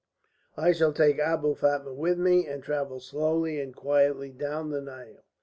"I shall take Abou Fatma with me and travel slowly and quietly down the Nile.